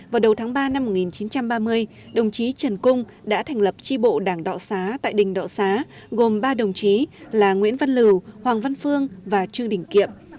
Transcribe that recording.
vào đầu tháng ba năm một nghìn chín trăm ba mươi đồng chí trần cung đã thành lập tri bộ đảng đọ xá tại đình đọ xá gồm ba đồng chí là nguyễn văn lửu hoàng văn phương và trương đình kiệm